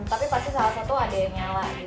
tapi pasti salah satu ada yang nyala